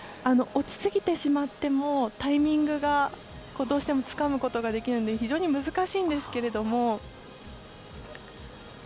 落ちすぎてしまってもタイミングがどうしてもつかむことができず非常に難しいんですけど。